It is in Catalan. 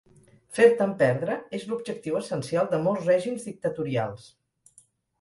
Fer-te'n perdre és l'objectiu essencial de molts règims dictatorials.